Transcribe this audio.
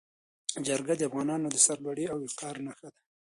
جرګه د افغانانو د سرلوړۍ او وقار نښه ده.